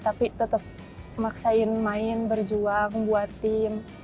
tapi tetap memaksain main berjuang buat tim